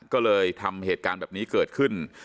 ก็เลยทำเหตุการณ์แบบนี้เกิดขึ้น